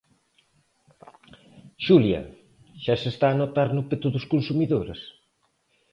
Xulia, xa se está a notar no peto dos consumidores?